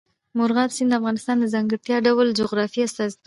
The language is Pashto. مورغاب سیند د افغانستان د ځانګړي ډول جغرافیه استازیتوب کوي.